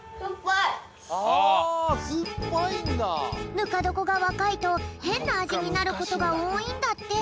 ぬかどこがわかいとへんなあじになることがおおいんだって。